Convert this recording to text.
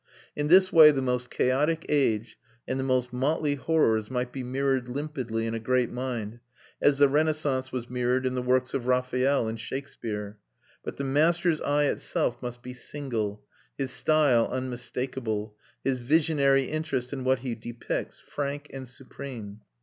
In this way the most chaotic age and the most motley horrors might be mirrored limpidly in a great mind, as the Renaissance was mirrored in the works of Raphael and Shakespeare; but the master's eye itself must be single, his style unmistakable, his visionary interest in what he depicts frank and supreme.